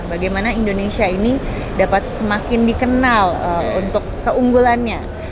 bagaimana indonesia ini dapat semakin dikenal untuk keunggulannya